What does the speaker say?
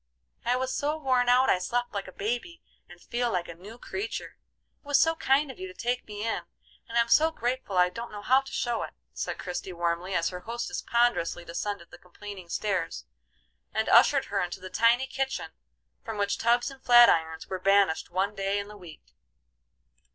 "I was so worn out I slept like a baby, and feel like a new creature. It was so kind of you to take me in, and I'm so grateful I don't know how to show it," said Christie, warmly, as her hostess ponderously descended the complaining stairs and ushered her into the tidy kitchen from which tubs and flat irons were banished one day in the week.